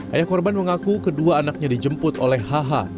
ayah korban mengaku kedua anaknya dijemput oleh hh